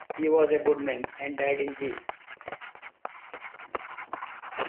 He was a good man, and died in peace.